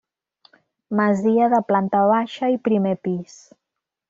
Masia de planta baixa i primer pis.